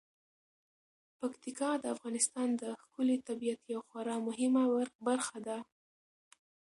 پکتیکا د افغانستان د ښکلي طبیعت یوه خورا مهمه برخه ده.